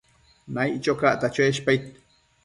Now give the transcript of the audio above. Naiccho cacta cheshpaid